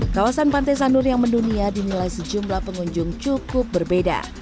kawasan pantai sanur yang mendunia dinilai sejumlah pengunjung cukup berbeda